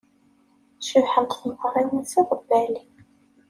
Cebḥent tmeɣriwin s yiḍebbalen.